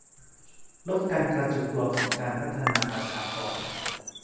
ลดการกระจุกตัวของการพัฒนาประชากร